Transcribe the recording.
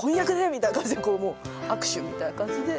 みたいな感じで握手みたいな感じで。